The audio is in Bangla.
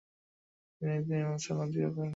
তিনি তিলামসান অধিকার করেন।